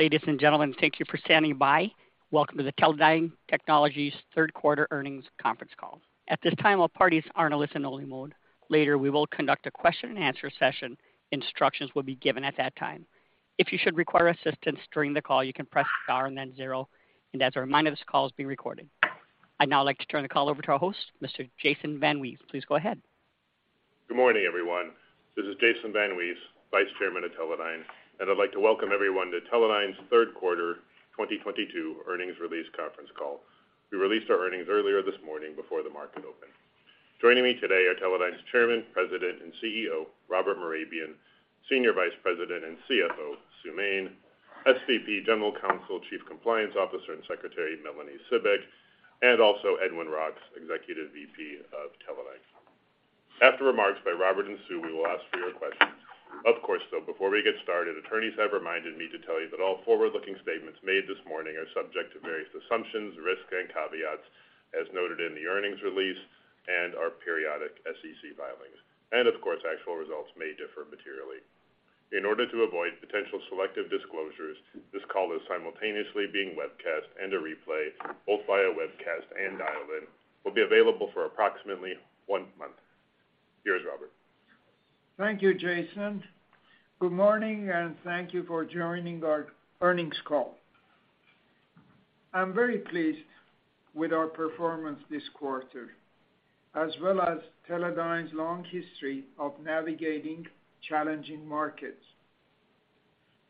Ladies and gentlemen, thank you for standing by. Welcome to the Teledyne Technologies Third Quarter Earnings Conference Call. At this time, all parties are in a listen only mode. Later, we will conduct a question and answer session. Instructions will be given at that time. If you should require assistance during the call, you can press star and then zero. As a reminder, this call is being recorded. I'd now like to turn the call over to our host, Mr. Jason VanWees. Please go ahead. Good morning, everyone. This is Jason VanWees, Vice Chairman of Teledyne, and I'd like to welcome everyone to Teledyne's third quarter 2022 earnings release conference call. We released our earnings earlier this morning before the market opened. Joining me today are Teledyne's Chairman, President and CEO, Robert Mehrabian, Senior Vice President and CFO, Sue Main, SVP, General Counsel, Chief Compliance Officer and Secretary, Melanie Cibik, and also Edwin Roks, Executive VP of Teledyne. After remarks by Robert and Sue, we will ask for your questions. Of course, though, before we get started, attorneys have reminded me to tell you that all forward-looking statements made this morning are subject to various assumptions, risks, and caveats, as noted in the earnings release and our periodic SEC filings. Of course, actual results may differ materially. In order to avoid potential selective disclosures, this call is simultaneously being webcast and a replay, both via webcast and dial-in, will be available for approximately one month. Here's Robert. Thank you, Jason. Good morning, and thank you for joining our earnings call. I'm very pleased with our performance this quarter, as well as Teledyne's long history of navigating challenging markets.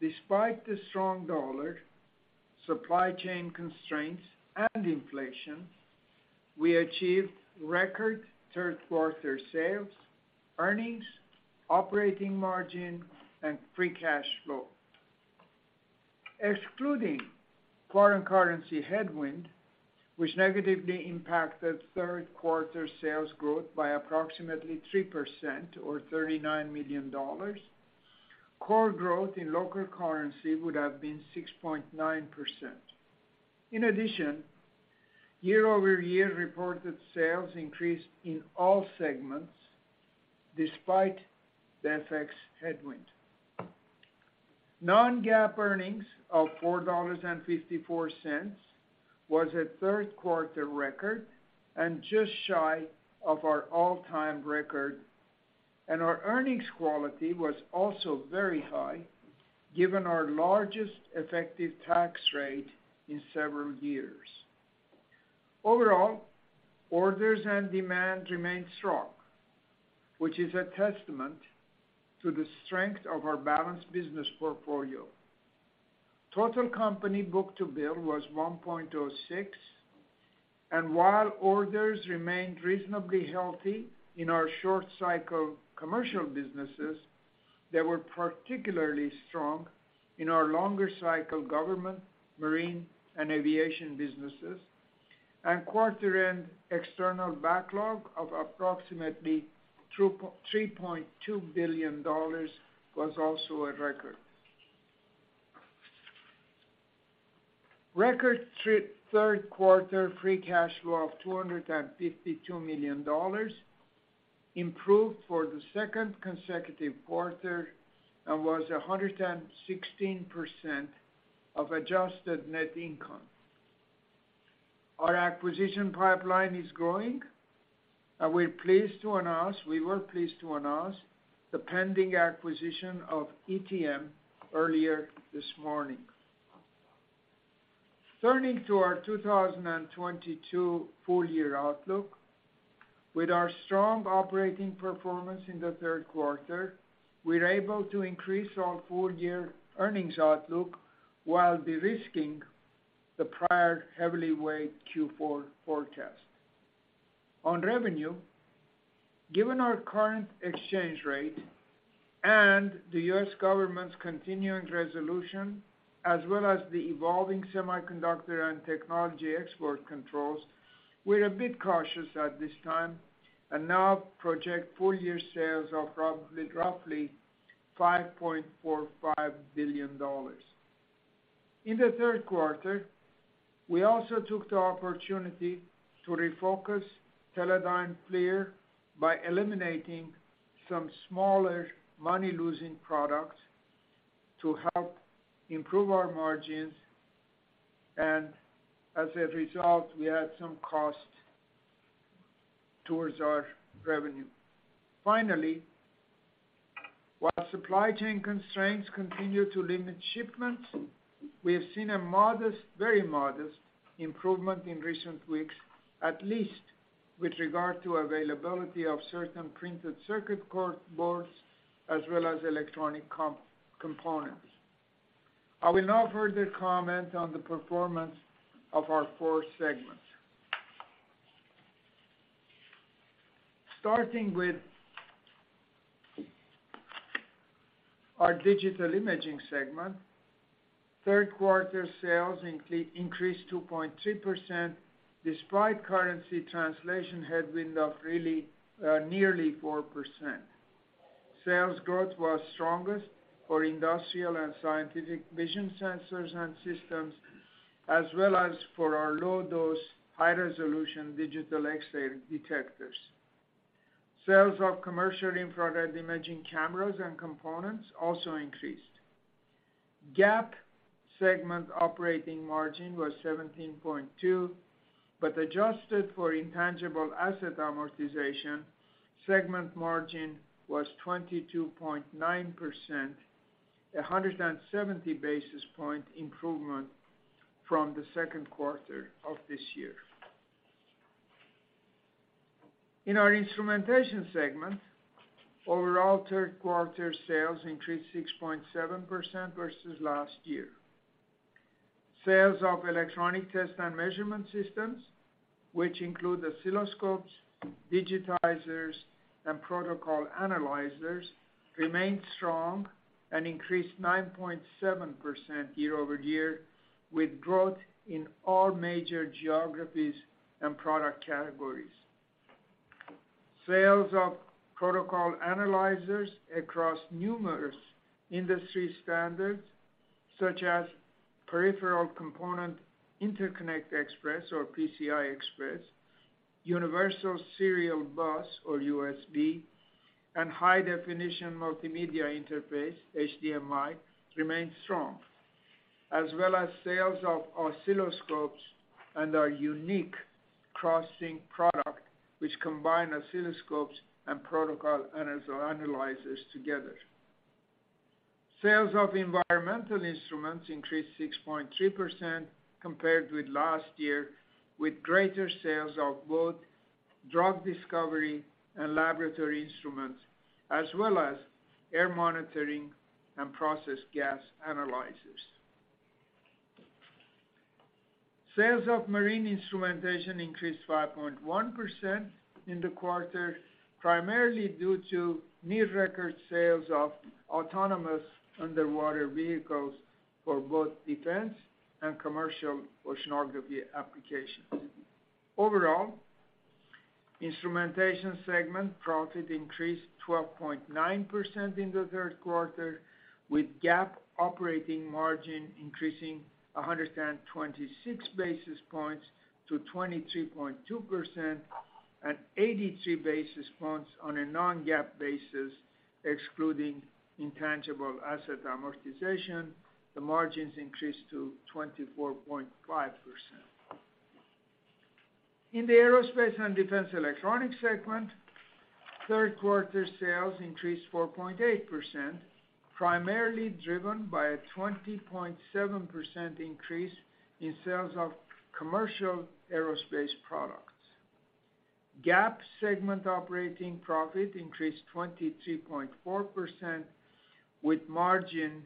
Despite the strong dollar, supply chain constraints, and inflation, we achieved record third quarter sales, earnings, operating margin, and free cash flow. Excluding foreign currency headwind, which negatively impacted third quarter sales growth by approximately 3% or $39 million, core growth in local currency would have been 6.9%. In addition, year-over-year reported sales increased in all segments despite the FX headwind. Non-GAAP earnings of $4.54 was a third-quarter record and just shy of our all-time record. Our earnings quality was also very high, given our largest effective tax rate in several years. Overall, orders and demand remain strong, which is a testament to the strength of our balanced business portfolio. Total company book-to-bill was 1.06, and while orders remained reasonably healthy in our short cycle commercial businesses, they were particularly strong in our longer cycle government, marine, and aviation businesses. Quarter-end external backlog of approximately $3.2 billion was also a record. Record third quarter free cash flow of $252 million improved for the second consecutive quarter and was 116% of adjusted net income. Our acquisition pipeline is growing and we were pleased to announce the pending acquisition of ETM earlier this morning. Turning to our 2022 full-year outlook. With our strong operating performance in the third quarter, we're able to increase our full-year earnings outlook while de-risking the prior heavily weighted Q4 forecast. On revenue, given our current exchange rate and the U.S. government's continuing resolution, as well as the evolving semiconductor and technology export controls, we're a bit cautious at this time and now project full-year sales of roughly $5.45 billion. In the third quarter, we also took the opportunity to refocus Teledyne core by eliminating some smaller money-losing products to help improve our margins, and as a result, we had some cuts to our revenue. Finally, while supply chain constraints continue to limit shipments, we have seen a modest, very modest improvement in recent weeks, at least with regard to availability of certain printed circuit boards as well as electronic components. I will now further comment on the performance of our four segments. Starting with our Digital Imaging segment, third quarter sales increased 2.2% despite currency translation headwind of really nearly 4%. Sales growth was strongest for industrial and scientific vision sensors and systems, as well as for our low-dose, high-resolution digital X-ray detectors. Sales of commercial infrared imaging cameras and components also increased. GAAP segment operating margin was 17.2%, but adjusted for intangible asset amortization, segment margin was 22.9%, a 170 basis point improvement from the second quarter of this year. In our Instrumentation segment, overall third quarter sales increased 6.7% versus last year. Sales of electronic test and measurement systems, which include oscilloscopes, digitizers, and protocol analyzers, remained strong and increased 9.7% year-over-year, with growth in all major geographies and product categories. Sales of protocol analyzers across numerous industry standards, such as Peripheral Component Interconnect Express or PCI Express, Universal Serial Bus or USB, and High Definition Multimedia Interface, HDMI, remained strong, as well as sales of oscilloscopes and our unique CrossSync product, which combine oscilloscopes and protocol analyzers together. Sales of environmental instruments increased 6.3% compared with last year, with greater sales of both drug discovery and laboratory instruments, as well as air monitoring and process gas analyzers. Sales of marine instrumentation increased 5.1% in the quarter, primarily due to near record sales of autonomous underwater vehicles for both defense and commercial oceanography applications. Overall, Instrumentation segment profit increased 12.9% in the third quarter, with GAAP operating margin increasing 126 basis points to 23.2%, and 83 basis points on a non-GAAP basis excluding intangible asset amortization. The margins increased to 24.5%. In the Aerospace & Defense Electronics segment, third quarter sales increased 4.8%, primarily driven by a 20.7% increase in sales of commercial aerospace products. GAAP segment operating profit increased 23.4% with margin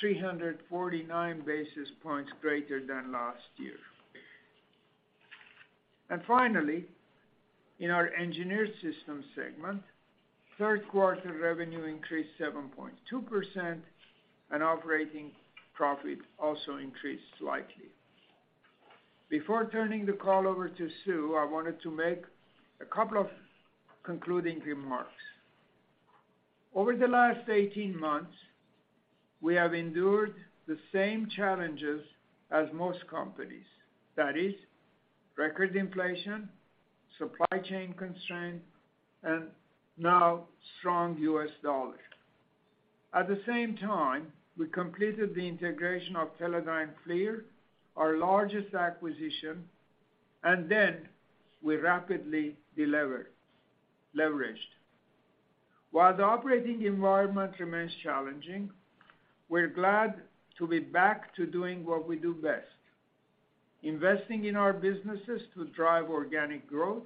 349 basis points greater than last year. Finally, in our Engineered Systems segment, third quarter revenue increased 7.2%, and operating profit also increased slightly. Before turning the call over to Sue, I wanted to make a couple of concluding remarks. Over the last 18 months, we have endured the same challenges as most companies, that is, record inflation, supply chain constraints, and now strong U.S. dollar. At the same time, we completed the integration of Teledyne FLIR, our largest acquisition, and then we rapidly leveraged. While the operating environment remains challenging, we're glad to be back to doing what we do best, investing in our businesses to drive organic growth,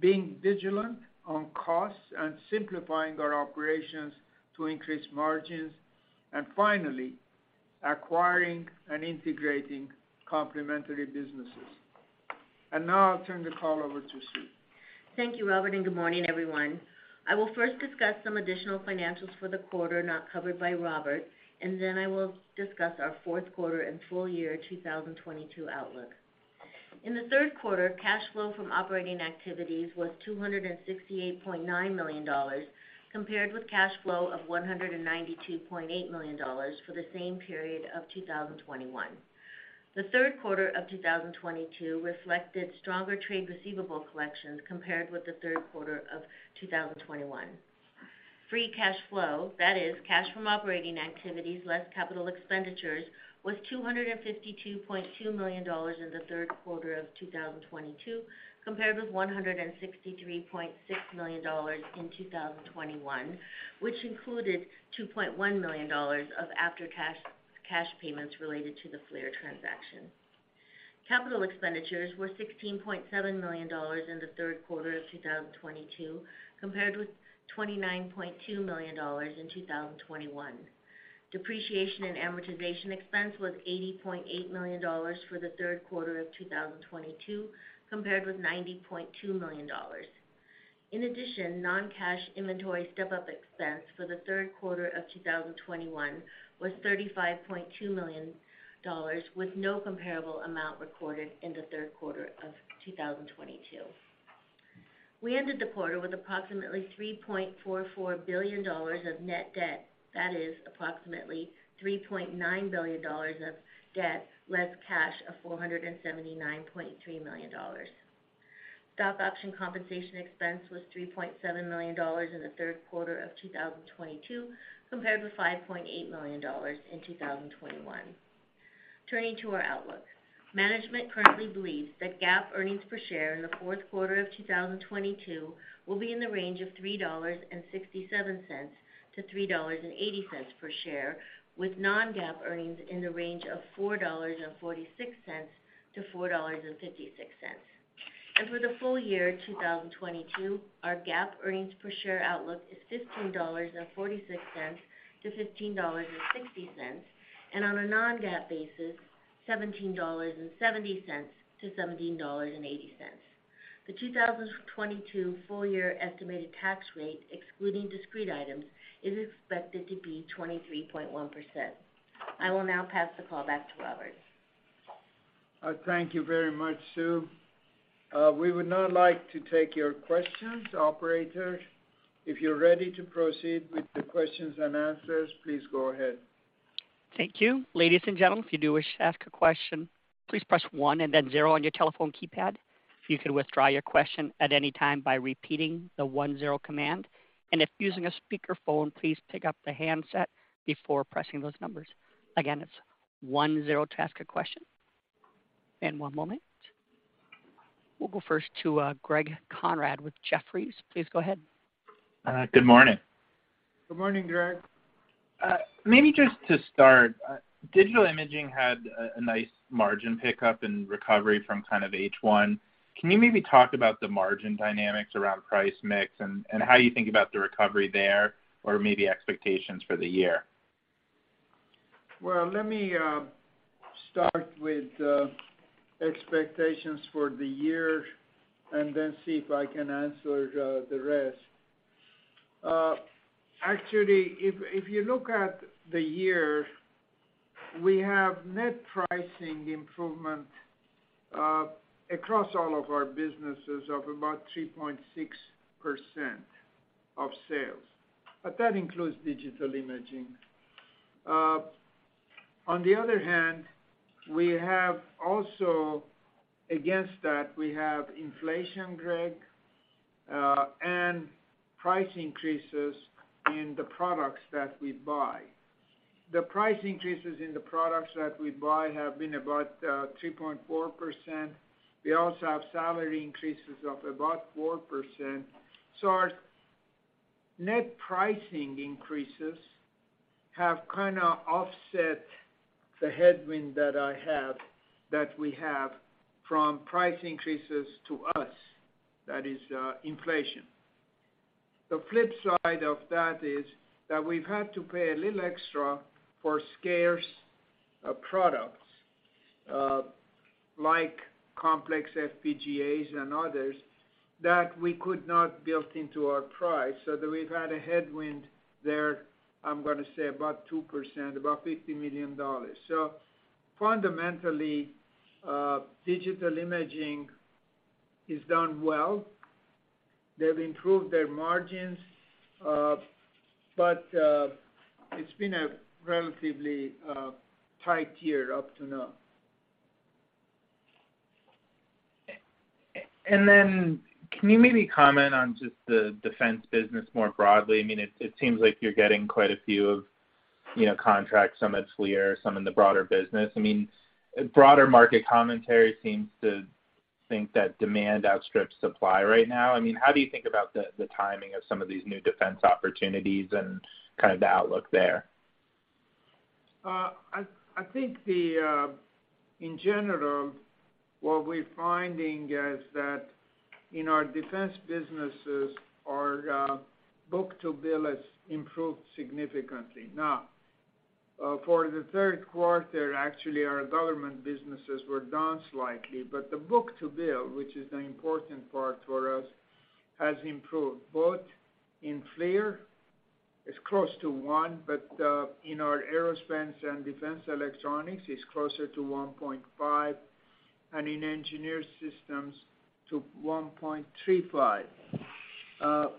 being vigilant on costs, and simplifying our operations to increase margins, and finally, acquiring and integrating complementary businesses. Now I'll turn the call over to Sue. Thank you, Robert, and good morning, everyone. I will first discuss some additional financials for the quarter not covered by Robert, and then I will discuss our fourth quarter and full year 2022 outlook. In the third quarter, cash flow from operating activities was $268.9 million, compared with cash flow of $192.8 million for the same period of 2021. The third quarter of 2022 reflected stronger trade receivable collections compared with the third quarter of 2021. Free cash flow, that is cash from operating activities less capital expenditures, was $252.2 million in the third quarter of 2022, compared with $163.6 million in 2021, which included $2.1 million of after-tax cash payments related to the FLIR transaction. Capital expenditures were $16.7 million in the third quarter of 2022, compared with $29.2 million in 2021. Depreciation and amortization expense was $80.8 million for the third quarter of 2022, compared with $90.2 million. In addition, non-cash inventory step-up expense for the third quarter of 2021 was $35.2 million, with no comparable amount recorded in the third quarter of 2022. We ended the quarter with approximately $3.44 billion of net debt. That is approximately $3.9 billion of debt, less cash of $479.3 million. Stock option compensation expense was $3.7 million in the third quarter of 2022, compared with $5.8 million in 2021. Turning to our outlook. Management currently believes that GAAP earnings per share in the fourth quarter of 2022 will be in the range of $3.67-$3.80 per share, with non-GAAP earnings in the range of $4.46-$4.56. For the full year 2022, our GAAP earnings per share outlook is $15.46-$15.60, and on a Non-GAAP basis, $17.70-$17.80. The 2022 full year estimated tax rate, excluding discrete items, is expected to be 23.1%. I will now pass the call back to Robert. Thank you very much, Sue. We would now like to take your questions. Operator, if you're ready to proceed with the questions and answers, please go ahead. Thank you. Ladies and gentlemen, if you do wish to ask a question, please press one and then zero on your telephone keypad. If you could withdraw your question at any time by repeating the one-zero command. If using a speaker phone, please pick up the handset before pressing those numbers. Again, it's one-zero to ask a question. One moment. We'll go first to Greg Konrad with Jefferies. Please go ahead. Good morning. Good morning, Greg. Maybe just to start, Digital Imaging had a nice margin pickup and recovery from kind of H1. Can you maybe talk about the margin dynamics around price mix and how you think about the recovery there, or maybe expectations for the year? Well, let me start with the expectations for the year and then see if I can answer the rest. Actually, if you look at the year, we have net pricing improvement across all of our businesses of about 3.6% of sales, but that includes Digital Imaging. On the other hand, against that, we have inflation, Greg, and price increases in the products that we buy. The price increases in the products that we buy have been about 3.4%. We also have salary increases of about 4%. Our net pricing increases have kinda offset the headwind that we have from price increases to us, that is, inflation. The flip side of that is that we've had to pay a little extra for scarce products, like complex FPGAs and others that we could not build into our price, so that we've had a headwind there. I'm gonna say about 2%, about $50 million. Fundamentally, Digital Imaging has done well. They've improved their margins, but it's been a relatively tight year up to now. Can you maybe comment on just the defense business more broadly? I mean, it seems like you're getting quite a few of, you know, contracts, some at FLIR, some in the broader business. I mean, broader market commentary seems to think that demand outstrips supply right now. I mean, how do you think about the timing of some of these new defense opportunities and kind of the outlook there? I think in general, what we're finding is that in our defense businesses, our book-to-bill has improved significantly. Now, for the third quarter, actually, our government businesses were down slightly. The book-to-bill, which is the important part for us, has improved both in FLIR, it's close to 1, but in our aerospace and defense electronics, it's closer to 1.5, and in Engineered Systems to 1.35.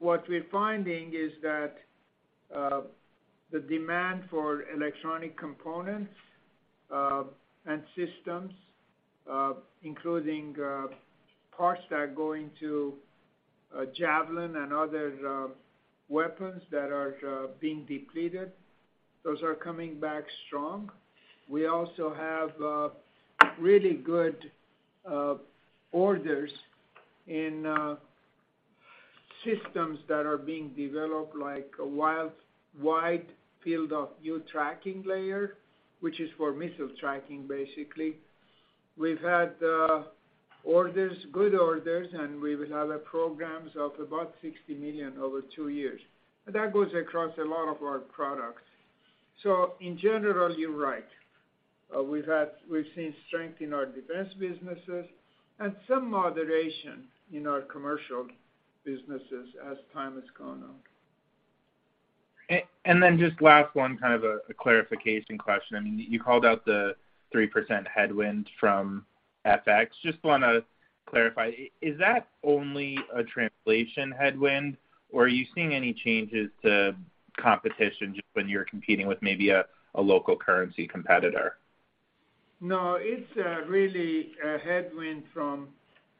What we're finding is that the demand for electronic components and systems, including parts that are going to Javelin and other weapons that are being depleted, those are coming back strong. We also have really good orders in systems that are being developed like a wide field of view tracking layer, which is for missile tracking, basically. We've had orders, good orders, and we will have programs of about $60 million over two years. That goes across a lot of our products. In general, you're right. We've seen strength in our defense businesses and some moderation in our commercial businesses as time has gone on. Just last one, kind of a clarification question. I mean, you called out the 3% headwind from FX. Just wanna clarify, is that only a translation headwind, or are you seeing any changes to competition just when you're competing with maybe a local currency competitor? No, it's really a headwind from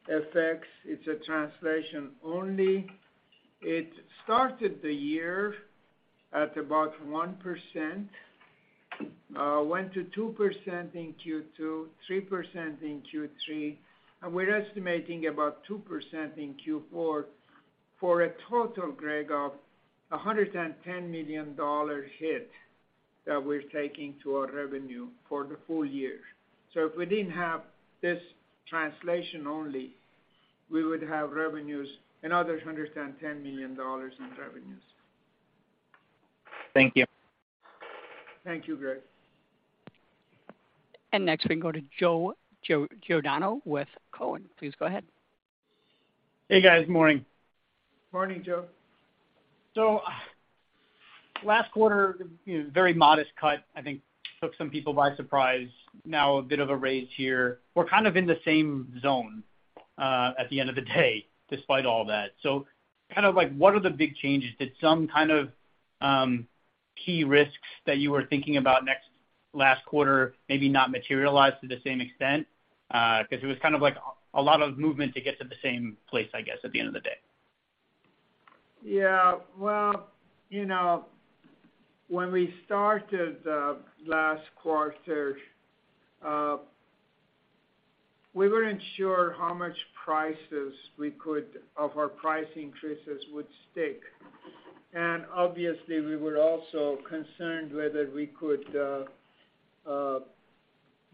FX. It's a translation only. It started the year at about 1%, went to 2% in Q2, 3% in Q3, and we're estimating about 2% in Q4, for a total, Greg, of a $110 million hit that we're taking to our revenue for the full year. If we didn't have this translation only, we would have revenues, another $110 million in revenues. Thank you. Thank you, Greg. Next we can go to Joe Giordano with Cowen. Please go ahead. Hey, guys. Morning. Morning, Joe. Last quarter, very modest cut, I think took some people by surprise. Now a bit of a raise here. We're kind of in the same zone at the end of the day, despite all that. Kind of like, what are the big changes? Did some kind of key risks that you were thinking about last quarter, maybe not materialize to the same extent? 'Cause it was kind of like a lot of movement to get to the same place, I guess, at the end of the day. Yeah. Well, you know, when we started the last quarter, we weren't sure how much of our price increases would stick. Obviously, we were also concerned whether we could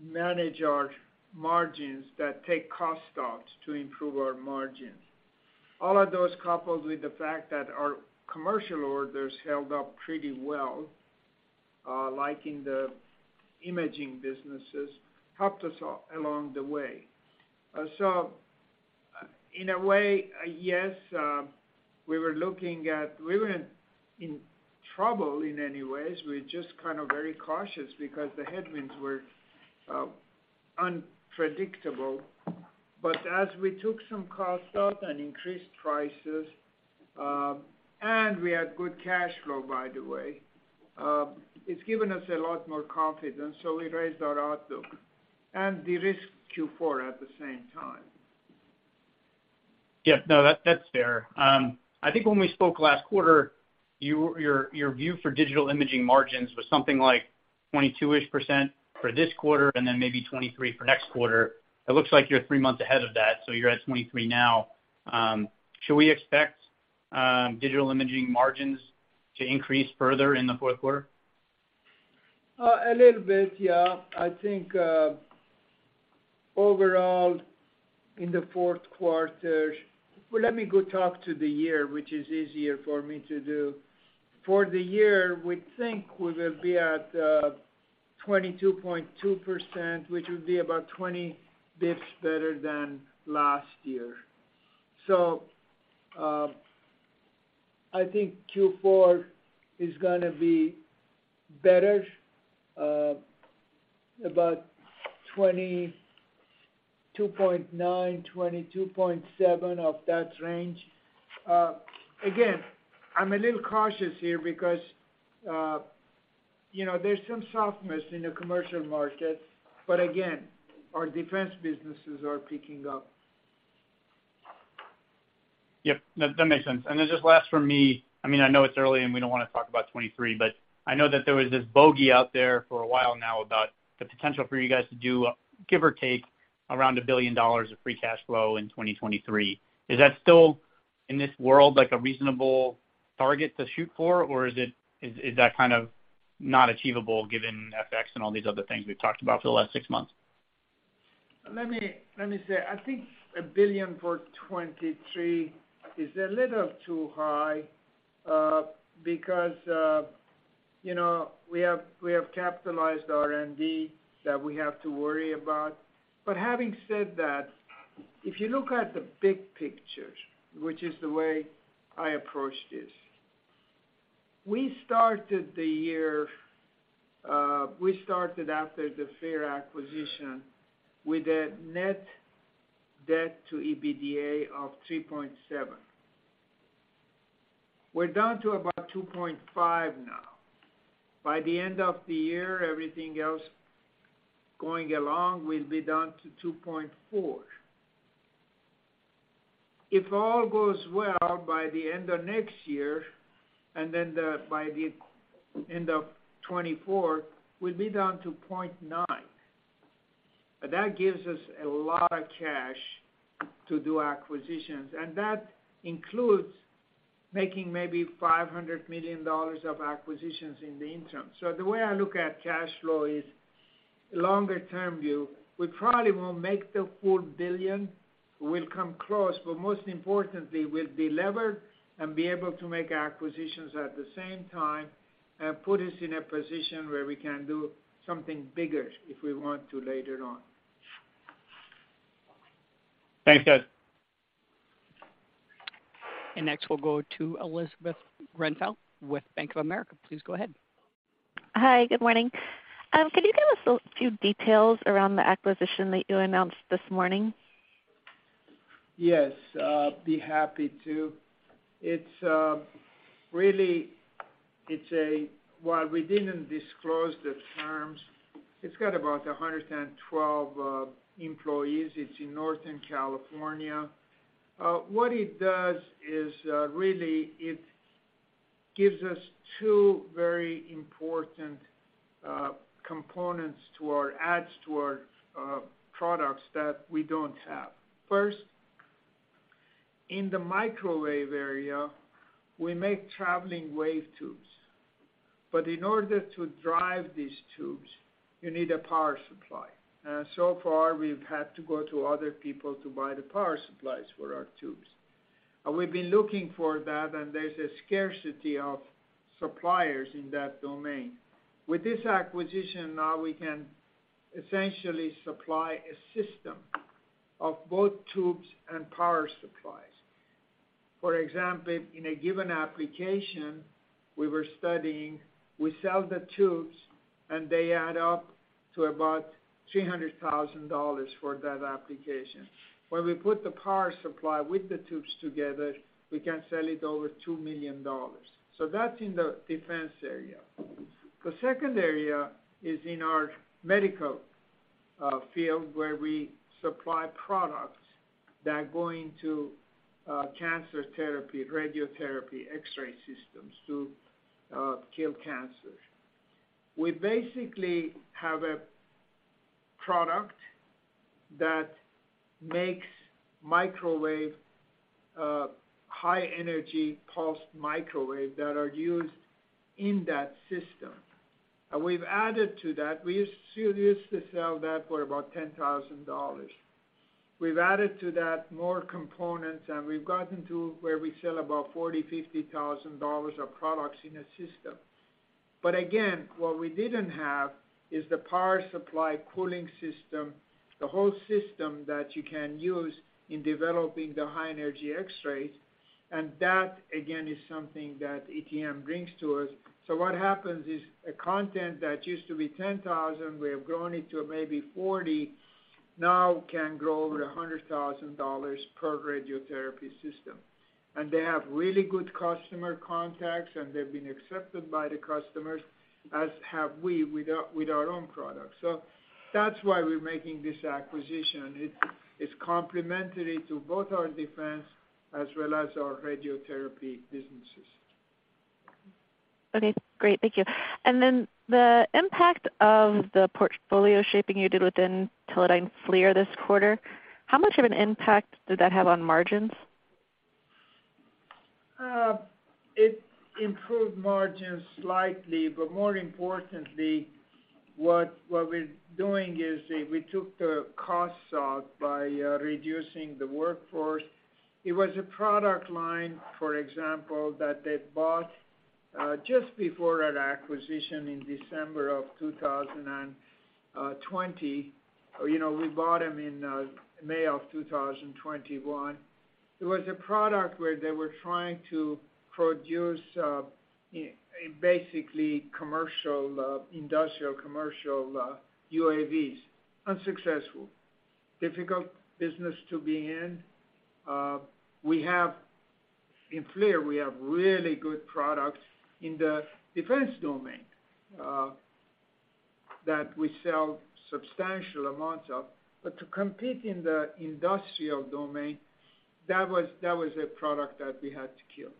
manage our margins to take costs out to improve our margins. All of those, coupled with the fact that our commercial orders held up pretty well, in the imaging businesses, helped us along the way. In a way, yes, we weren't in trouble in any way. We're just kind of very cautious because the headwinds were unpredictable. As we took some costs out and increased prices, and we had good cash flow, by the way, it's given us a lot more confidence, so we raised our outlook and de-risked Q4 at the same time. Yeah. No, that's fair. I think when we spoke last quarter, your view for Digital Imaging margins was something like 22%-ish for this quarter and then maybe 23% for next quarter. It looks like you're three months ahead of that, so you're at 23% now. Should we expect Digital Imaging margins to increase further in the fourth quarter? A little bit, yeah. I think overall in the fourth quarter. Well, let me go talk to the year, which is easier for me to do. For the year, we think we will be at 22.2%, which would be about 20 basis points better than last year. I think Q4 is gonna be better, about 22.7%-22.9% of that range. Again, I'm a little cautious here because you know, there's some softness in the commercial market. Again, our defense businesses are picking up. Yep, that makes sense. Just last for me. I mean, I know it's early, and we don't wanna talk about 2023, but I know that there was this bogey out there for a while now about the potential for you guys to do, give or take, around $1 billion of free cash flow in 2023. Is that still, in this world, like, a reasonable target to shoot for? Or is it that kind of not achievable given FX and all these other things we've talked about for the last six months? Let me say, I think $1 billion for 2023 is a little too high, because we have capitalized R&D that we have to worry about. Having said that, if you look at the big picture, which is the way I approach this, we started after the FLIR acquisition with a net debt to EBITDA of 3.7. We're down to about 2.5 now. By the end of the year, everything else going along, we'll be down to 2.4. If all goes well, by the end of next year, and then by the end of 2024, we'll be down to 0.9. That gives us a lot of cash to do acquisitions, and that includes making maybe $500 million of acquisitions in the interim. The way I look at cash flow is longer term view. We probably won't make the full $1 billion. We'll come close, but most importantly, we'll be levered and be able to make acquisitions at the same time and put us in a position where we can do something bigger if we want to later on. Thanks, guys. Next we'll go to Elizabeth Grenfell with Bank of America. Please go ahead. Hi, good morning. Could you give us a few details around the acquisition that you announced this morning? Yes, be happy to. It's really. While we didn't disclose the terms, it's got about 112 employees. It's in Northern California. What it does is really it gives us two very important components. It adds to our products that we don't have. First, in the microwave area, we make Traveling Wave Tubes, but in order to drive these tubes, you need a power supply. So far, we've had to go to other people to buy the power supplies for our tubes. We've been looking for that, and there's a scarcity of suppliers in that domain. With this acquisition, now we can essentially supply a system of both tubes and power supplies. For example, in a given application we were studying, we sell the tubes, and they add up to about $300,000 for that application. When we put the power supply with the tubes together, we can sell it over $2 million. That's in the defense area. The second area is in our medical field, where we supply products that go into cancer therapy, radiotherapy, X-ray systems to kill cancer. We basically have a product that makes microwave high-energy pulsed microwave that are used in that system. We've added to that. We used to sell that for about $10,000. We've added to that more components, and we've gotten to where we sell about $40,000-$50,000 of products in a system. Again, what we didn't have is the power supply cooling system, the whole system that you can use in developing the high-energy X-rays, and that, again, is something that ETM brings to us. What happens is a cost that used to be $10,000, we have grown it to maybe $40,000, now can grow over $100,000 per radiotherapy system. They have really good customer contacts, and they've been accepted by the customers, as have we with our own products. That's why we're making this acquisition. It's complementary to both our defense as well as our radiotherapy businesses. Okay, great. Thank you. The impact of the portfolio shaping you did within Teledyne FLIR this quarter, how much of an impact did that have on margins? It improved margins slightly, but more importantly, what we're doing is we took the costs out by reducing the workforce. It was a product line, for example, that they bought just before that acquisition in December 2020. You know, we bought them in May 2021. It was a product where they were trying to produce basically commercial industrial commercial UAVs. Unsuccessful. Difficult business to be in. We have in FLIR we have really good products in the defense domain that we sell substantial amounts of. But to compete in the industrial domain, that was a product that we had to kill.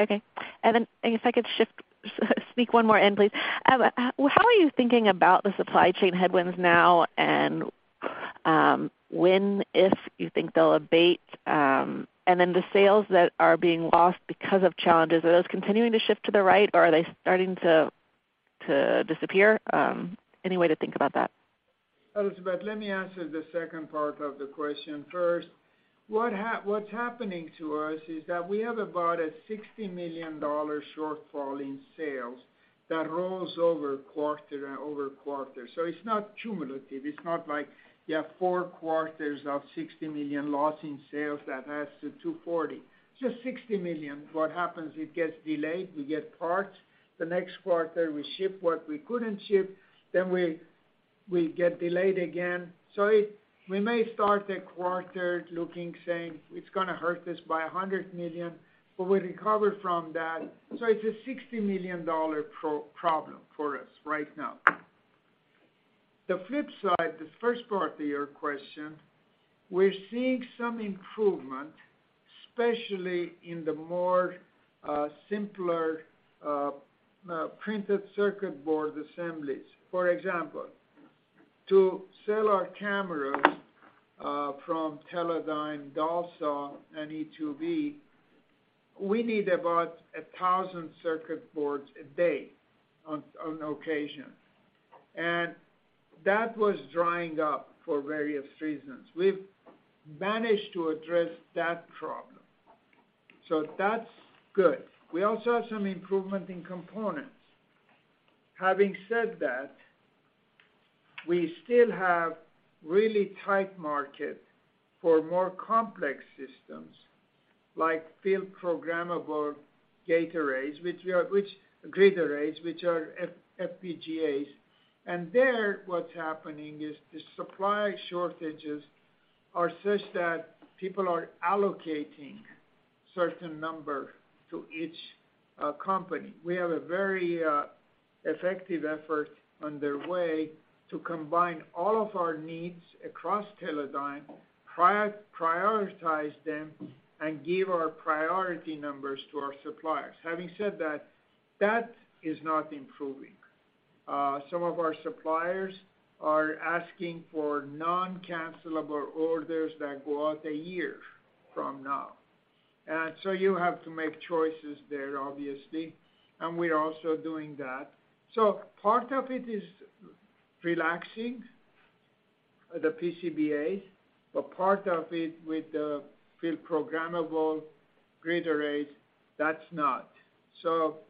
Okay. If I could speak one more in, please. How are you thinking about the supply chain headwinds now and when, if you think they'll abate, and then the sales that are being lost because of challenges, are those continuing to shift to the right, or are they starting to disappear? Any way to think about that? Elizabeth, let me answer the second part of the question first. What's happening to us is that we have about a $60 million shortfall in sales that rolls over quarter and over quarter. It's not cumulative. It's not like you have four quarters of $60 million loss in sales that adds to 240. It's just $60 million. What happens, it gets delayed, we get parts. The next quarter, we ship what we couldn't ship, then we get delayed again. We may start a quarter looking, saying, "It's gonna hurt us by a $100 million," but we recover from that. It's a $60 million problem for us right now. The flip side, the first part to your question, we're seeing some improvement, especially in the more simpler printed circuit board assemblies. For example, to sell our cameras from Teledyne DALSA and Teledyne e2v, we need about 1,000 circuit boards a day on occasion. That was drying up for various reasons. We've managed to address that problem, so that's good. We also have some improvement in components. Having said that, we still have really tight market for more complex systems like field-programmable gate arrays, which are FPGAs. There, what's happening is the supply shortages are such that people are allocating certain number to each company. We have a very effective effort underway to combine all of our needs across Teledyne, prioritize them, and give our priority numbers to our suppliers. Having said that is not improving. Some of our suppliers are asking for non-cancelable orders that go out a year from now. You have to make choices there, obviously, and we're also doing that. Part of it is relaxing, the PCBA, but part of it with the field programmable gate arrays, that's not.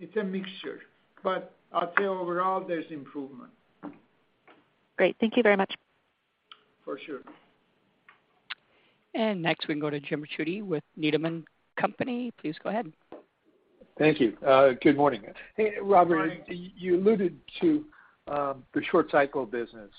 It's a mixture, but I'd say overall, there's improvement. Great. Thank you very much. For sure. Next, we can go to Jim Ricchiuti with Needham & Company. Please go ahead. Thank you. Good morning. Hey, Robert Hi. You alluded to the short cycle business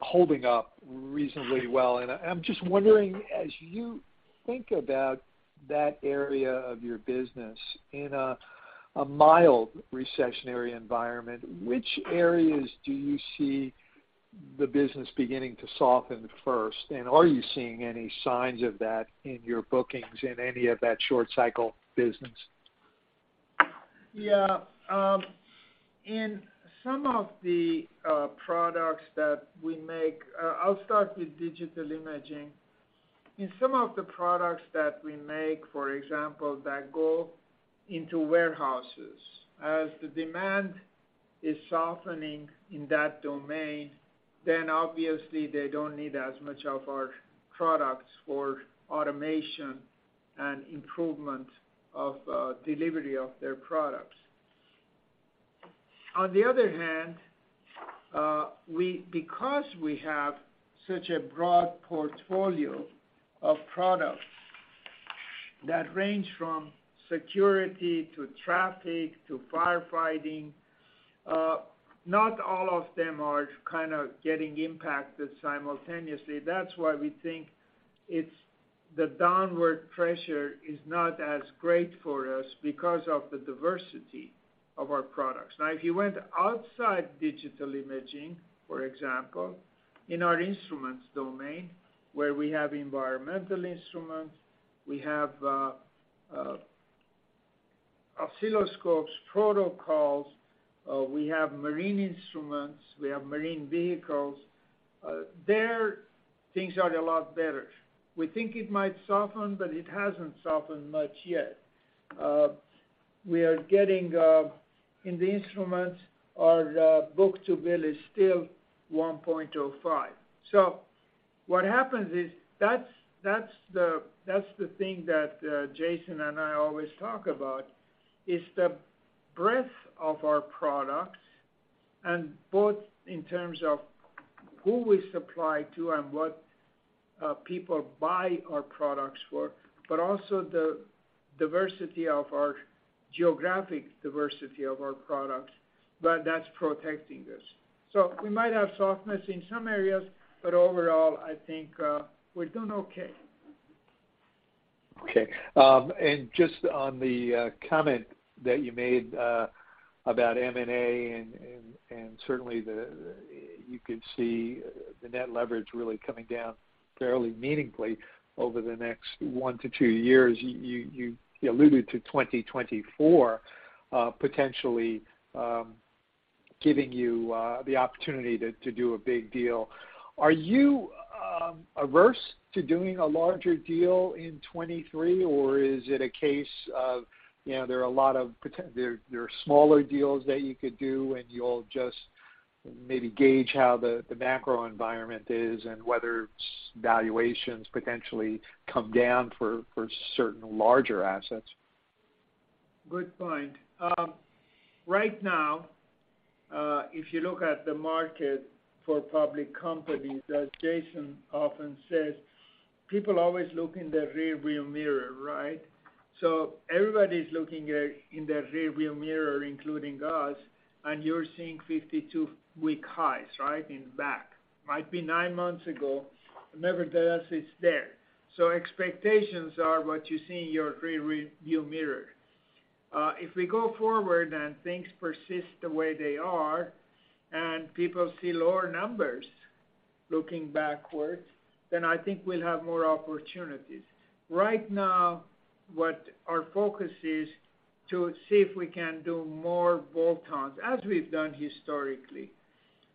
holding up reasonably well, and I'm just wondering, as you think about that area of your business in a mild recessionary environment, which areas do you see the business beginning to soften first? And are you seeing any signs of that in your bookings in any of that short cycle business? Yeah. In some of the products that we make. I'll start with Digital Imaging. In some of the products that we make, for example, that go into warehouses, as the demand is softening in that domain, then obviously they don't need as much of our products for automation and improvement of delivery of their products. On the other hand, because we have such a broad portfolio of products that range from security to traffic to firefighting, not all of them are kind of getting impacted simultaneously. That's why we think it's the downward pressure is not as great for us because of the diversity of our products. Now, if you went outside digital imaging, for example, in our instruments domain, where we have environmental instruments, we have oscilloscopes, protocols, we have marine instruments, we have marine vehicles, those things are a lot better. We think it might soften, but it hasn't softened much yet. We are getting in the instruments, our book-to-bill is still 1.05. What happens is that's the thing that Jason and I always talk about, is the breadth of our products and both in terms of who we supply to and what people buy our products for, but also the diversity of our geographic diversity of our products, but that's protecting us. We might have softness in some areas, but overall, I think we're doing okay. Okay. Just on the comment that you made about M&A and certainly you could see the net leverage really coming down fairly meaningfully over the next one to two years. You alluded to 2024 potentially giving you the opportunity to do a big deal. Are you averse to doing a larger deal in 2023, or is it a case of, you know, there are smaller deals that you could do, and you'll just maybe gauge how the macro environment is and whether valuations potentially come down for certain larger assets? Good point. Right now, if you look at the market for public companies, as Jason often says, people always look in the rear-view mirror, right? Everybody's looking at, in the rear-view mirror, including us, and you're seeing 52-week highs, right? In the back. Might be nine months ago. Nevertheless, it's there. Expectations are what you see in your rear-view mirror. If we go forward and things persist the way they are and people see lower numbers looking backwards, then I think we'll have more opportunities. Right now, what our focus is to see if we can do more bolt-ons, as we've done historically.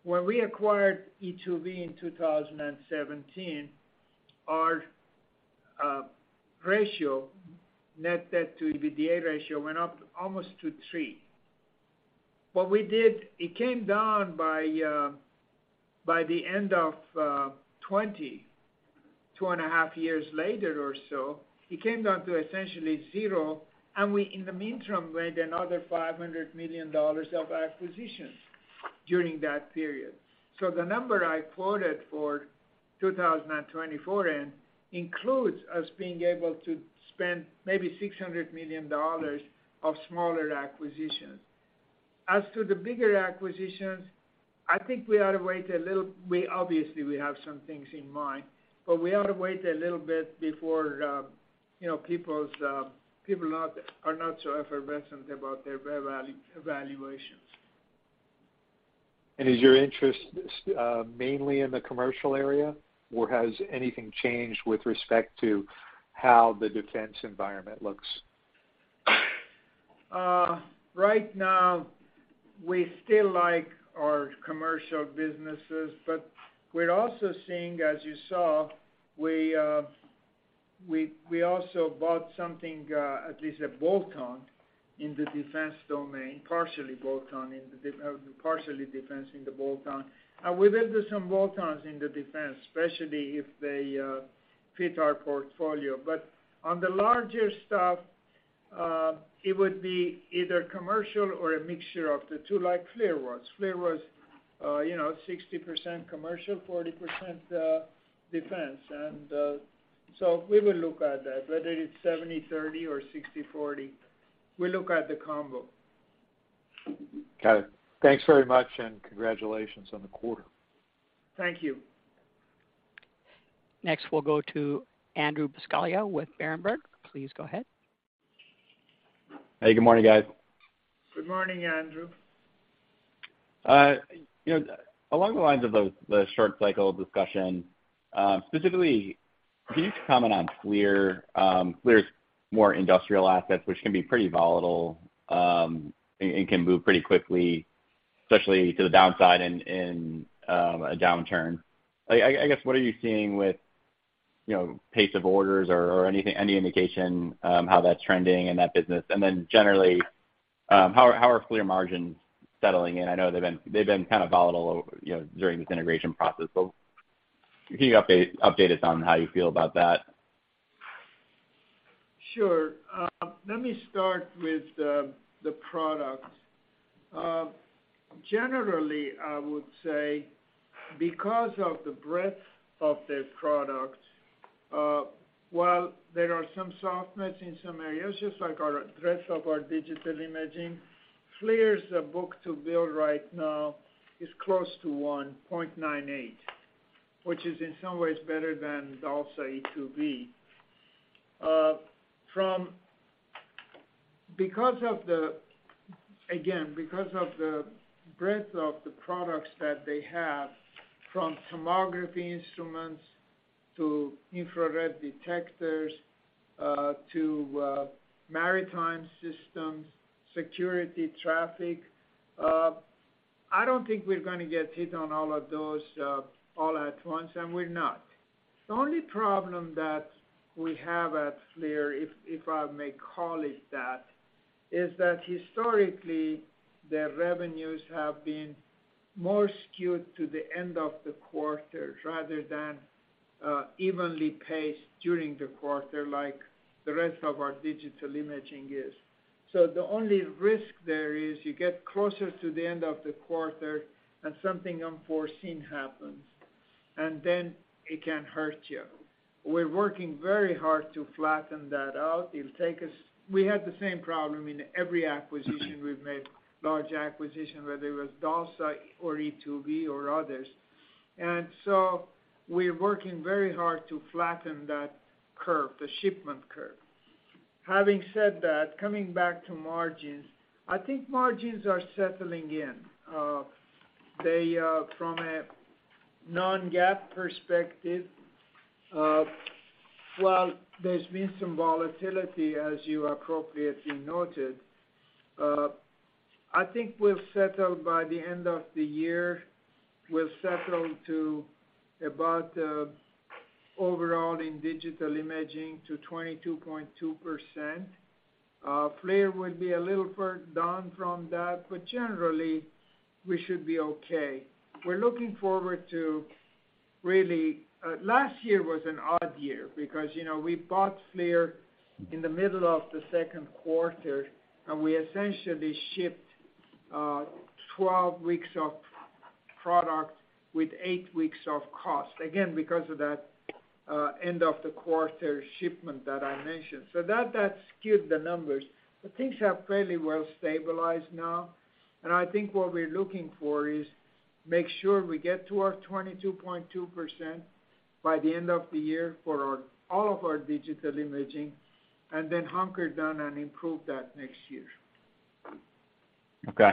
When we acquired e2v in 2017, our ratio, net debt to EBITDA ratio went up almost to 3. What we did, it came down by the end of 22 and a half years later or so, it came down to essentially zero, and we, in the interim, made another $500 million of acquisitions during that period. The number I quoted for 2024 end includes us being able to spend maybe $600 million of smaller acquisitions. As to the bigger acquisitions, I think we ought to wait a little. We obviously have some things in mind, but we ought to wait a little bit before you know, people are not so effervescent about their revaluations. Is your interest mainly in the commercial area, or has anything changed with respect to how the defense environment looks? Right now we still like our commercial businesses, but we're also seeing, as you saw, we also bought something, at least a bolt-on in the defense domain, partially bolt-on in the defense, partially defense in the bolt-on. We will do some bolt-ons in the defense, especially if they fit our portfolio. But on the larger stuff, it would be either commercial or a mixture of the two, like FLIR was. FLIR was, you know, 60% commercial, 40% defense. We will look at that, whether it's 70/30 or 60/40, we look at the combo. Got it. Thanks very much, and congratulations on the quarter. Thank you. Next, we'll go to Andrew Buscaglia with Berenberg. Please go ahead. Hey, good morning, guys. Good morning, Andrew. You know, along the lines of the short cycle discussion, specifically, can you comment on FLIR? FLIR's more industrial assets, which can be pretty volatile, and can move pretty quickly, especially to the downside in a downturn. I guess, what are you seeing with, you know, pace of orders or anything, any indication how that's trending in that business? Then generally, how are FLIR margins settling in? I know they've been kind of volatile, you know, during this integration process. Can you update us on how you feel about that? Sure. Let me start with the product. Generally, I would say because of the breadth of this product, while there are some softness in some areas, just like our breadth of our digital imaging, FLIR's book-to-bill right now is close to 1.98, which is in some ways better than also e2v. Because of the, again, because of the breadth of the products that they have, from thermography instruments to infrared detectors, to maritime systems, security, traffic, I don't think we're gonna get hit on all of those, all at once, and we're not. The only problem that we have at FLIR, if I may call it that, is that historically, their revenues have been more skewed to the end of the quarters rather than evenly paced during the quarter like the rest of our Digital Imaging is. The only risk there is you get closer to the end of the quarter and something unforeseen happens, and then it can hurt you. We're working very hard to flatten that out. It'll take us. We had the same problem in every acquisition we've made, large acquisition, whether it was DALSA or e2v or others. We're working very hard to flatten that curve, the shipment curve. Having said that, coming back to margins, I think margins are settling in. From a Non-GAAP perspective, while there's been some volatility, as you appropriately noted, I think we'll settle by the end of the year. We'll settle to about overall in Digital Imaging to 22.2%. FLIR will be a little further down from that, but generally we should be okay. Last year was an odd year because, you know, we bought FLIR in the middle of the second quarter, and we essentially shipped 12 weeks of product with eight weeks of cost, again, because of that end of the quarter shipment that I mentioned. That skewed the numbers. Things have fairly well stabilized now. I think what we're looking for is make sure we get to our 22.2% by the end of the year for all of our Digital Imaging, and then hunker down and improve that next year. Okay.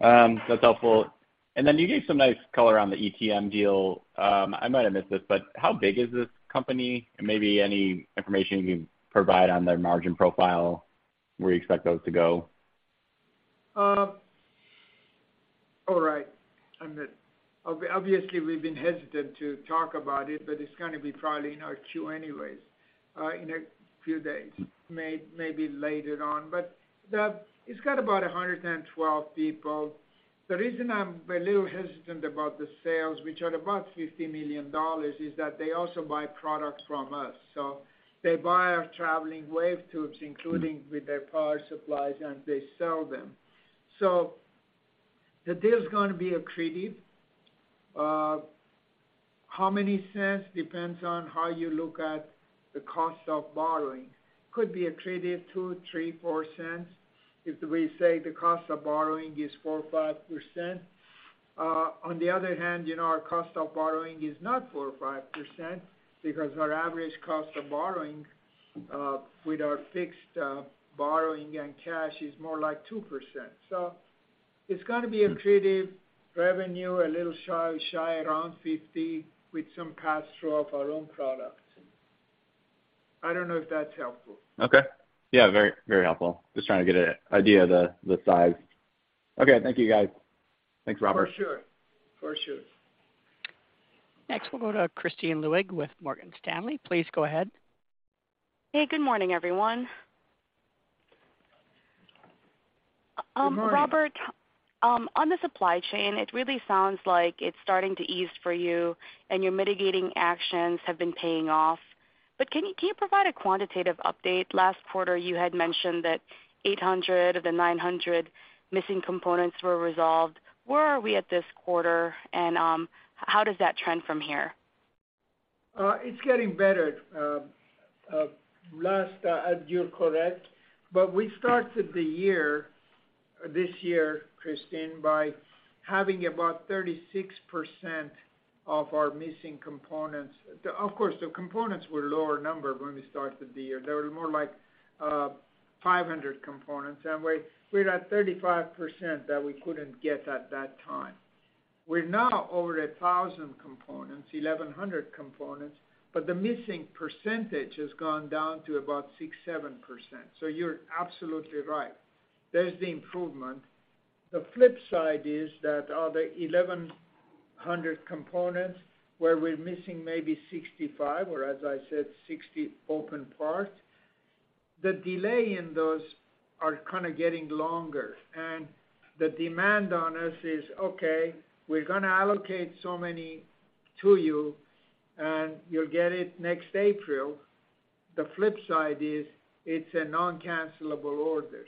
That's helpful. Then you gave some nice color on the ETM deal. I might have missed it, but how big is this company, and maybe any information you can provide on their margin profile, where you expect those to go? All right. I missed. Obviously, we've been hesitant to talk about it, but it's gonna be probably in our Q anyways. In a few days, maybe later on. It's got about 112 people. The reason I'm a little hesitant about the sales, which are about $50 million, is that they also buy products from us. So they buy our Traveling Wave Tubes, including with their power supplies, and they sell them. So the deal's gonna be accretive. How many cents depends on how you look at the cost of borrowing. Could be accretive $0.02, $0.03, $0.04 if we say the cost of borrowing is 4% or 5%. On the other hand, you know, our cost of borrowing is not 4% or 5% because our average cost of borrowing, with our fixed borrowing and cash is more like 2%. It's gonna be accretive revenue, a little shy around $50, with some pass-through of our own products. I don't know if that's helpful. Okay. Yeah, very, very helpful. Just trying to get an idea of the size. Okay, thank you, guys. Thanks, Robert. For sure. For sure. Next, we'll go to Kristine Liwag with Morgan Stanley. Please go ahead. Hey, good morning, everyone. Good morning. Robert, on the supply chain, it really sounds like it's starting to ease for you, and your mitigating actions have been paying off. Can you provide a quantitative update? Last quarter, you had mentioned that 800 of the 900 missing components were resolved. Where are we at this quarter and, how does that trend from here? It's getting better. You're correct, but we started the year, this year, Kristine, by having about 36% of our missing components. Of course, the components were lower number when we started the year. They were more like 500 components, and we're at 35% that we couldn't get at that time. We're now over 1,000 components, 1,100 components, but the missing percentage has gone down to about 6%-7%. You're absolutely right. There's the improvement. The flip side is that of the 1,100 components, where we're missing maybe 65 or, as I said, 60 open parts, the delay in those are kinda getting longer. The demand on us is, "Okay, we're gonna allocate so many to you, and you'll get it next April." The flip side is it's a non-cancellable order.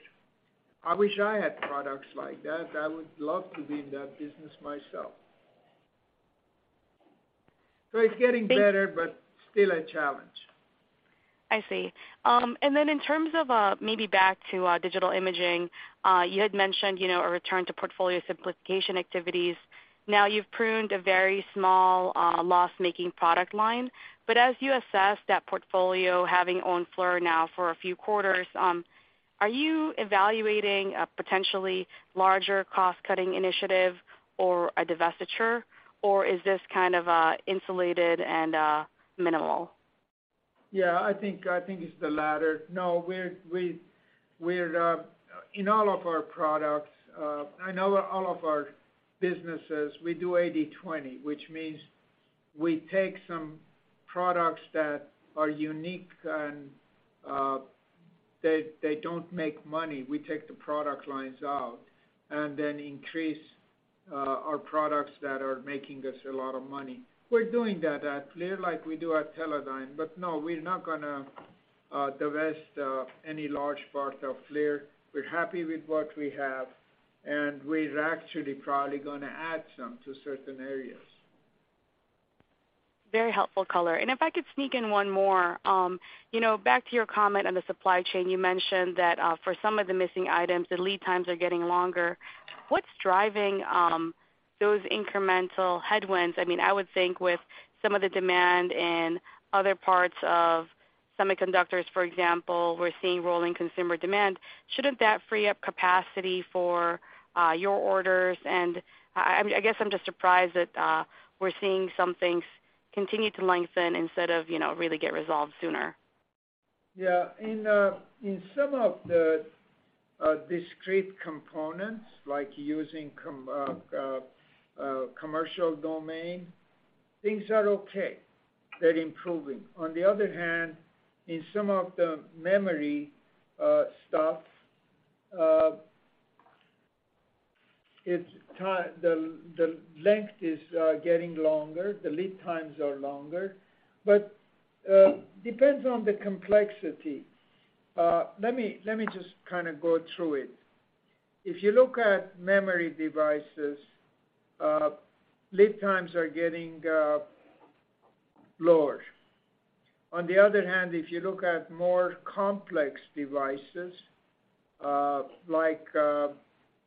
I wish I had products like that. I would love to be in that business myself. It's getting better. Thank Still a challenge. I see. In terms of, maybe back to, Digital Imaging, you had mentioned, you know, a return to portfolio simplification activities. Now you've pruned a very small, loss-making product line. As you assess that portfolio having owned FLIR now for a few quarters, are you evaluating a potentially larger cost-cutting initiative or a divestiture, or is this kind of insulated and minimal? Yeah, I think it's the latter. No, we're in all of our products, in all of our businesses, we do 80/20, which means we take some products that are unique and they don't make money. We take the product lines out and then increase our products that are making us a lot of money. We're doing that at FLIR like we do at Teledyne. No, we're not gonna divest any large part of FLIR. We're happy with what we have, and we're actually probably gonna add some to certain areas. Very helpful color. If I could sneak in one more. You know, back to your comment on the supply chain, you mentioned that for some of the missing items, the lead times are getting longer. What's driving those incremental headwinds? I mean, I would think with some of the demand in other parts of semiconductors, for example, we're seeing roiling consumer demand. Shouldn't that free up capacity for your orders? I guess I'm just surprised that we're seeing some things continue to lengthen instead of you know, really get resolved sooner. Yeah. In some of the discrete components, like in the commercial domain, things are okay. They're improving. On the other hand, in some of the memory stuff, it's the length is getting longer, the lead times are longer. Depends on the complexity. Let me just kinda go through it. If you look at memory devices, lead times are getting lower. On the other hand, if you look at more complex devices, like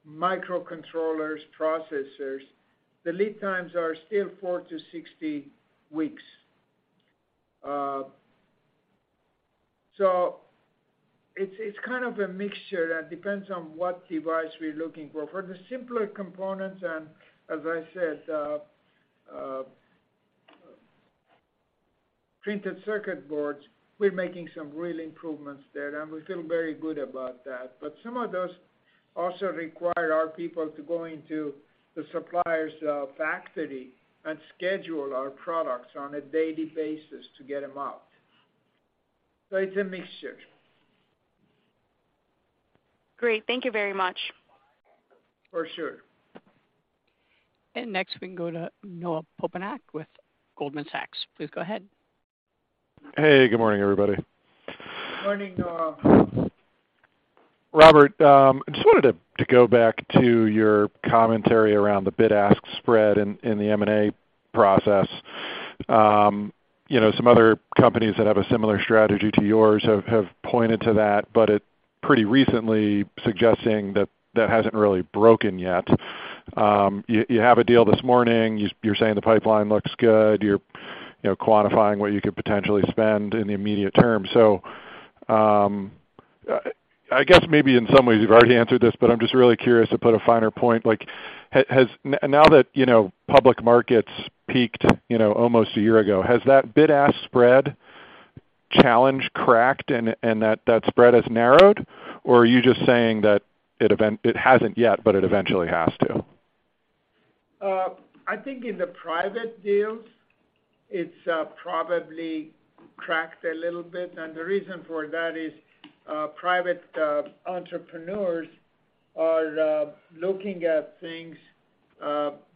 microcontrollers, processors, the lead times are still 4-60 weeks. So it's kind of a mixture. That depends on what device we're looking for. For the simpler components and, as I said, printed circuit boards, we're making some real improvements there, and we feel very good about that. Some of those also require our people to go into the supplier's factory and schedule our products on a daily basis to get them out. It's a mixture. Great. Thank you very much. For sure. Next, we can go to Noah Poponak with Goldman Sachs. Please go ahead. Hey, good morning, everybody. Morning, Noah. Robert, just wanted to go back to your commentary around the bid-ask spread in the M&A process. You know, some other companies that have a similar strategy to yours have pointed to that, but it pretty recently suggesting that that hasn't really broken yet. You have a deal this morning. You're saying the pipeline looks good. You're, you know, quantifying what you could potentially spend in the immediate term. I guess maybe in some ways you've already answered this, but I'm just really curious to put a finer point. Like, now that, you know, public markets peaked, you know, almost a year ago, has that bid-ask spread challenge cracked and that spread has narrowed? Or are you just saying that it hasn't yet, but it eventually has to? I think in the private deals, it's probably cracked a little bit. The reason for that is private entrepreneurs are looking at things,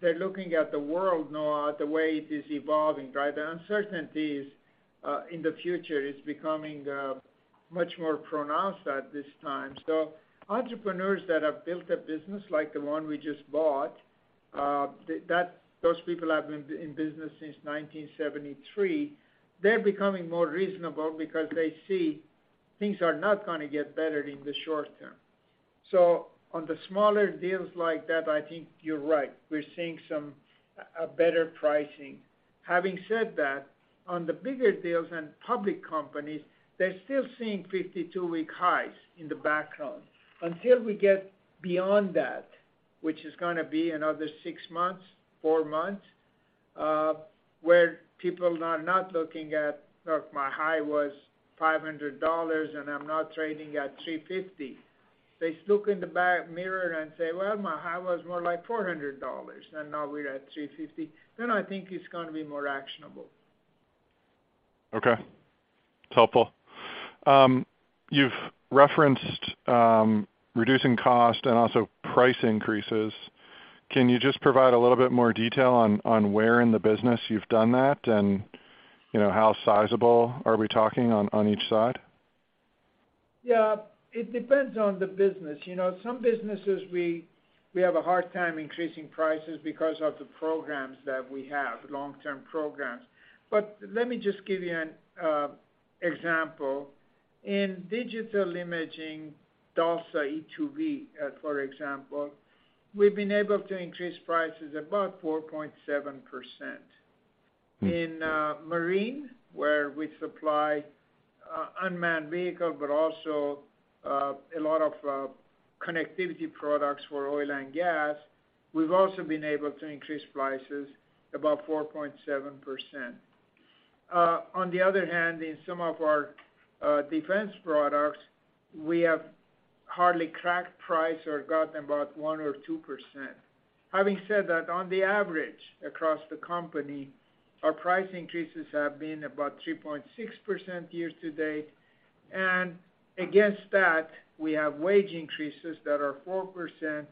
they're looking at the world, Noah, the way it is evolving, right? The uncertainties in the future is becoming much more pronounced at this time. Entrepreneurs that have built a business like the one we just bought, those people have been in business since 1973, they're becoming more reasonable because they see things are not gonna get better in the short term. On the smaller deals like that, I think you're right. We're seeing somewhat better pricing. Having said that, on the bigger deals and public companies, they're still seeing 52-week highs in the background. Until we get beyond that, which is gonna be another six months, four months, where people are not looking at, "Look, my high was $500, and I'm now trading at $350." They look in the rearview mirror and say, "Well, my high was more like $400, and now we're at $350," then I think it's gonna be more actionable. Okay. It's helpful. You've referenced reducing cost and also price increases. Can you just provide a little bit more detail on where in the business you've done that and, you know, how sizable are we talking on each side? Yeah. It depends on the business. You know, some businesses, we have a hard time increasing prices because of the programs that we have, long-term programs. Let me just give you an example. In Digital Imaging DALSA e2v, for example, we've been able to increase prices about 4.7%. Mm-hmm. In marine, where we supply unmanned vehicle, but also a lot of connectivity products for oil and gas, we've also been able to increase prices about 4.7%. On the other hand, in some of our defense products, we have hardly raised price or gotten about 1% or 2%. Having said that, on the average across the company, our price increases have been about 3.6% year to date. Against that, we have wage increases that are 4%,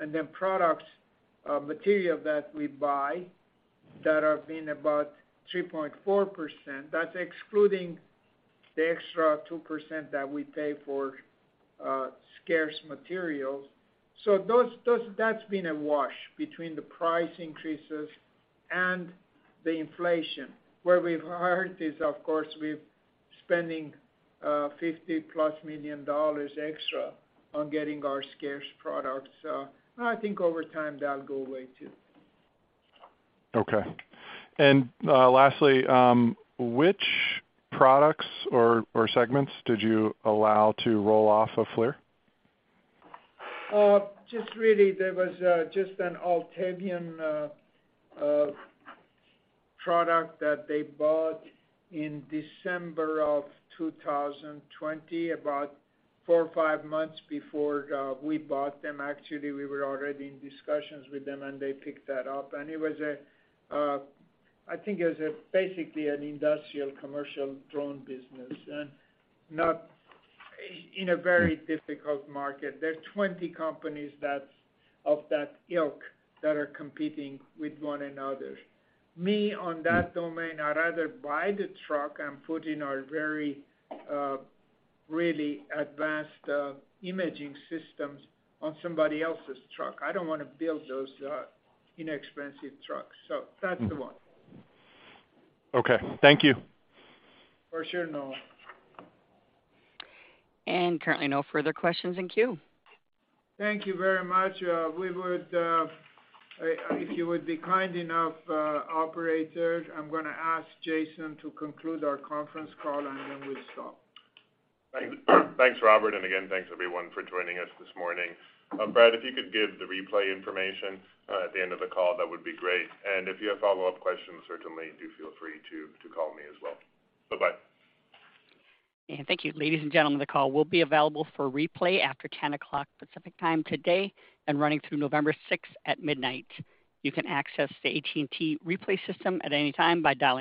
and then products material that we buy that have been about 3.4%. That's excluding the extra 2% that we pay for scarce materials. Those, that's been a wash between the price increases and the inflation. Where we've hired is, of course, we're spending $50+ million extra on getting our scarce products. I think over time, that'll go away too. Okay. Lastly, which products or segments did you allow to roll off of FLIR? Just really, there was just an Altavian product that they bought in December 2020, about four or five months before we bought them. Actually, we were already in discussions with them, and they picked that up. It was basically an industrial commercial drone business and not in a very difficult market. There are 20 companies that's of that ilk that are competing with one another. Me, on that domain, I'd rather buy the truck and put in our very really advanced imaging systems on somebody else's truck. I don't wanna build those inexpensive trucks. That's the one. Okay. Thank you. For sure, Noah. Currently no further questions in queue. Thank you very much. We would, if you would be kind enough, operator, I'm gonna ask Jason to conclude our conference call, and then we'll stop. Thanks. Thanks, Robert. Again, thanks everyone for joining us this morning. Brad, if you could give the replay information at the end of the call, that would be great. If you have follow-up questions, certainly do feel free to call me as well. Bye-bye. Thank you. Ladies and gentlemen, the call will be available for replay after 10 o'clock Pacific Time today and running through November 6 at midnight. You can access the AT&T replay system at any time by dialing